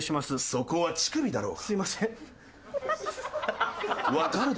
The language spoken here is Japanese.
そこは乳首だろうが！